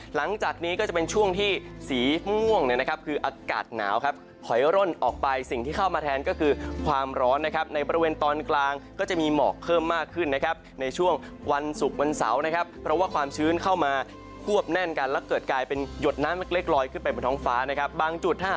หลังจากนี้ก็จะเป็นช่วงที่สีม่วงเนี่ยนะครับคืออากาศหนาวครับถอยร่นออกไปสิ่งที่เข้ามาแทนก็คือความร้อนนะครับในบริเวณตอนกลางก็จะมีหมอกเพิ่มมากขึ้นนะครับในช่วงวันศุกร์วันเสาร์นะครับเพราะว่าความชื้นเข้ามาควบแน่นกันแล้วเกิดกลายเป็นหยดน้ำเล็กลอยขึ้นไปบนท้องฟ้านะครับบางจุดถ้า